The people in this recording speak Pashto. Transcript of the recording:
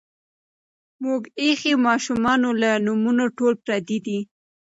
مونږ ایخي مـاشومـانو لـه نومـونه ټول پردي دي